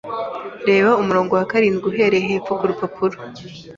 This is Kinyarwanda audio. Reba umurongo wa karindwi uhereye hepfo kurupapuro